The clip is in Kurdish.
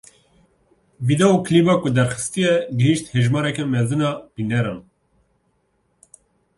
Vîdeoklîba ku derxistiye gihîşt hejmareke mezin a bîneran.